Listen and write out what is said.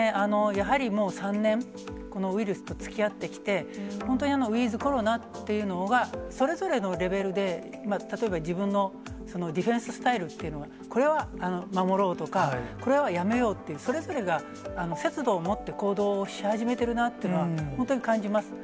やはりもう３年、このウイルスとつきあってきて、本当にウィズコロナっていうのが、それぞれのレベルで、例えば自分のディフェンススタイルっていうのは、これは守ろうとか、これはやめようって、それぞれが節度を持って行動をし始めてるなっていうのは、本当に感じます。